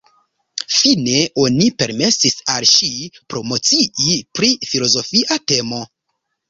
Fine oni permesis al ŝi promocii pri filozofia temo.